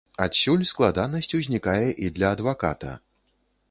Адсюль складанасць узнікае і для адваката.